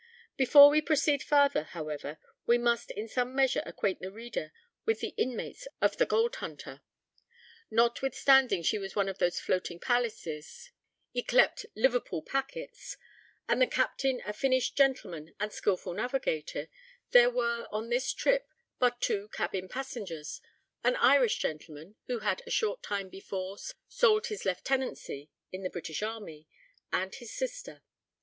Before we proceed farther, however, we must in some measure acquaint the reader with the inmates of the Gold Hunter. Notwithstanding she was one of those floating palaces yclept "Liverpool packets," and the captain a finished gentleman and skilful navigator, there were, on this trip, but two cabin passengers, an Irish gentleman (who had a short time before sold his lieutenancy in the British army) and his sister.